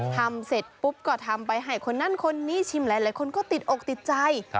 ทำเสร็จปุ๊บก็ทำไปให้คนนั้นคนนี้ชิมหลายคนก็ติดอกติดใจ